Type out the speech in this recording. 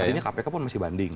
artinya kpk pun masih banding